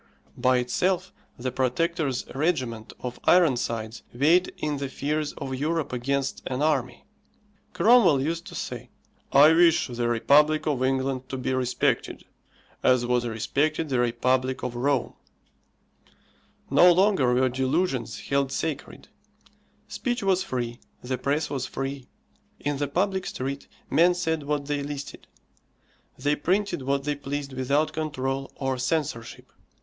By itself the Protector's regiment of Ironsides weighed in the fears of Europe against an army. Cromwell used to say, "I wish the Republic of England to be respected, as was respected the Republic of Rome." No longer were delusions held sacred; speech was free, the press was free. In the public street men said what they listed; they printed what they pleased without control or censorship.